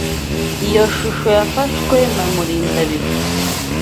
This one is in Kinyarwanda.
Iyo shusho yafashwe na Murindabigwi.